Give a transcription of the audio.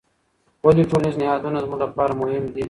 ولې ټولنیز نهادونه زموږ لپاره مهم دي؟